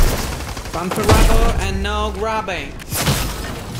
Fun forever, and no grubbing!